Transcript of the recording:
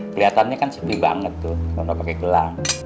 kelihatannya kan sepi banget tuh kalau lu pake gelang